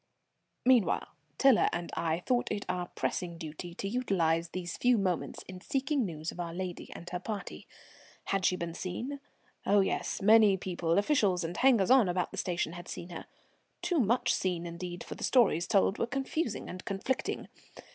Meanwhile Tiler and I thought it our pressing duty to utilize these few moments in seeking news of our lady and her party. Had she been seen? Oh, yes, many people, officials, and hangers on about the station had seen her. Too much seen indeed, for the stories told were confusing and conflicting.